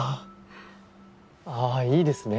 あぁいいですね。